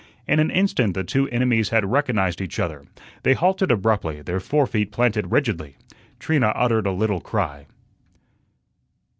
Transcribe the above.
In an instant the two enemies had recognized each other. They halted abruptly, their fore feet planted rigidly. Trina uttered a little cry.